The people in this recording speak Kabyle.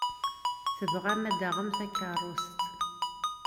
Tebɣam ad d-taɣem takeṛṛust.